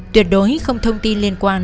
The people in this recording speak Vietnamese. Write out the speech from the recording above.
tuyệt đối không thông tin liên quan